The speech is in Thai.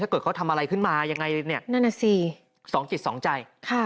ถ้าเกิดเขาทำอะไรขึ้นมายังไงเลยเนี่ยสองจิตสองใจ